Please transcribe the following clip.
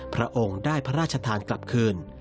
พระองค์ได้พระราชทานกลับคืน